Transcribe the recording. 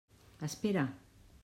Espera!